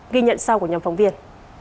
ghi nhận sau của nhóm phóng viên